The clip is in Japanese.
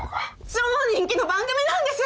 超人気の番組なんです！